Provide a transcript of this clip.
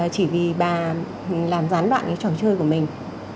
chỉ vì bà làm gián đoạn cái trò chơi của mình